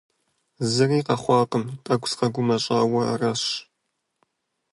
Зыри къэхъуакъым, тӏэкӏу сыкъэгумэщӏауэ аращ.